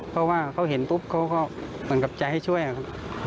เพราะว่าเขาเห็นปุ๊บเขาก็เหมือนกับใจให้ช่วยครับ